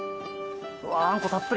あんこたっぷり。